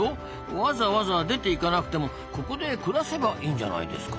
わざわざ出ていかなくてもここで暮らせばいいんじゃないですか？